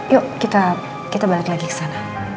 yuk kita balik lagi ke sana